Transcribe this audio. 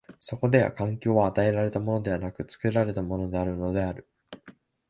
そこでは環境は与えられたものでなく、作られたものであるのである。